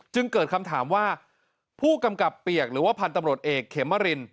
เกิดคำถามว่าผู้กำกับเปียกหรือว่าพันธุ์ตำรวจเอกเขมริน